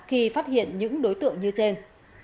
khi phát hiện những đối tượng như trên